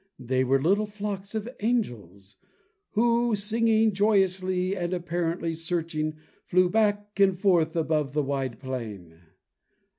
They were little flocks of angels, who, singing joyously, and apparently searching, flew back and forth above the wide plain.